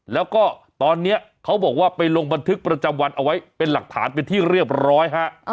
แล้วก็ตอนนี้เขาบอกว่าไปลงบันทึกประจำวันเอาไว้เป็นหลักฐานเป็นที่เรียบร้อยฮะ